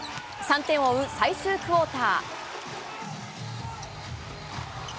３点を追う最終クオーター。